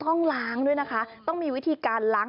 ต้องล้างด้วยนะคะต้องมีวิธีการล้าง